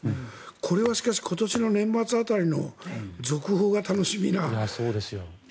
これは今年の年末辺りの続報が楽しみな。